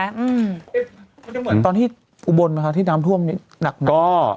มันจะเหมือนตอนที่อุบลไหมคะที่น้ำท่วมนี่หนักเหมือนกัน